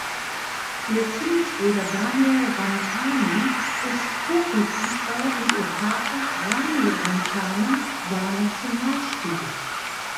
Ihr Zwillingsbruder Daniel Rantanen ist Profifußballer und ihr Vater Rami Rantanen war Nationalspieler.